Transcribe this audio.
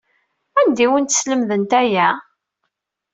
Anda ay awent-slemdent aya?